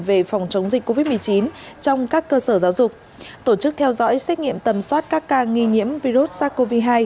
về phòng chống dịch covid một mươi chín trong các cơ sở giáo dục tổ chức theo dõi xét nghiệm tầm soát các ca nghi nhiễm virus sars cov hai